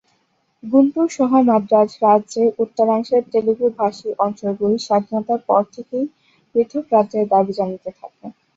গুন্টুর সহ মাদ্রাজ রাজ্যের উত্তরাংশের তেলুগু-ভাষী অঞ্চলগুলি স্বাধীনতার পর থেকেই পৃথক রাজ্যের দাবি জানাতে থাকে।